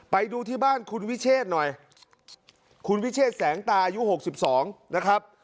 ไปดูที่บ้านคุณวิเชษหน่อยคุณวิเชษแสงตาอายุ๖๒นะครับ